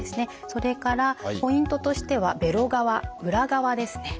それからポイントとしてはべろ側裏側ですね。